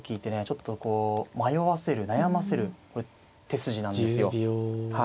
ちょっとこう迷わせる悩ませる手筋なんですよ。